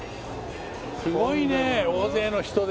すごいね大勢の人で。